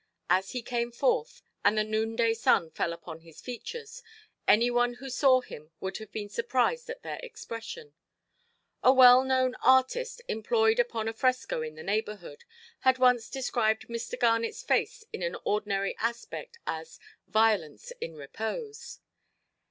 As he came forth, and the noonday sun fell upon his features, any one who knew him would have been surprised at their expression. A well–known artist, employed upon a fresco in the neighbourhood, had once described Mr. Garnetʼs face in its ordinary aspect as "violence in repose".